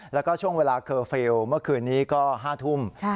แล้วก็ช่วงเวลาเคอร์ฟิลล์เมื่อคืนนี้ก็๕ทุ่ม